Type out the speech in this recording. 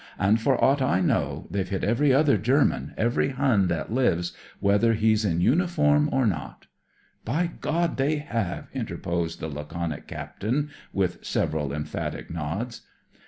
And, for aught I know, they've hit every other German, every Hun that lives, whether he's in uniform or not." By God, they have !" interposed the (( THE MORAL OF THE BOCHE 48 laconic Captain, with several emphatic nods.